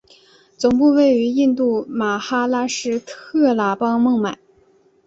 总部位于印度马哈拉施特拉邦孟买。